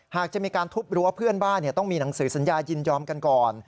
หากจะมีการทุบรั้วเพื่อนบ้านต้องมีหนังสือสัญญายินยอมกันก่อน